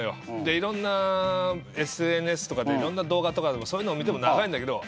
いろんなＳＮＳとかでいろんな動画とかでもそういうの見ても長いんだけど。